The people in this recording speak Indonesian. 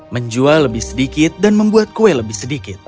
menjual lebih sedikit dan membuat kue lebih sedikit